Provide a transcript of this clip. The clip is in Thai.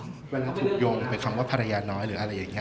เวลาถูกโยงไปคำว่าภรรยาน้อยหรืออะไรอย่างนี้